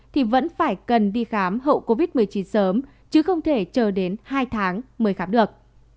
thì vẫn phải cần đi khám hậu covid một mươi chín sớm chứ không thể chờ đến hai tháng mới khám được